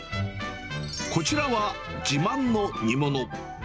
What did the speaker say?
こちらは、自慢の煮物。